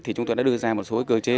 thì chúng tôi đã đưa ra một số cơ chế